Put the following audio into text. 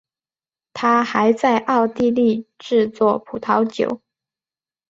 他还在奥地利制作葡萄酒。